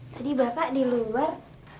tadi bapak di luar